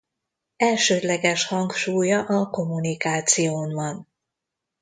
Elsődleges hangsúlya a kommunikáción van.